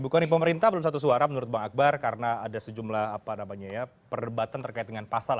bu kony pemerintah belum satu suara menurut bang akbar karena ada sejumlah perdebatan terkait dengan pasal